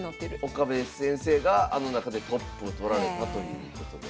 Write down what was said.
岡部先生があの中でトップをとられたということで。